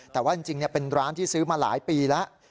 แต่ว่าจริงเป็นร้านที่ซื้อมาหลายปีแล้ว